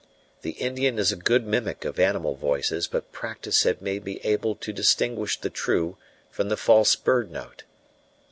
The Indian is a good mimic of animal voices, but practice had made me able to distinguish the true from the false bird note.